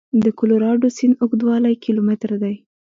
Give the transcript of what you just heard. د کلورادو سیند اوږدوالی کیلومتره دی.